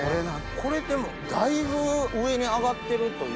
これでもだいぶ上に上がってるというか。